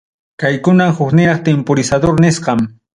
Kaykunam hukniraq temporizador nisqan.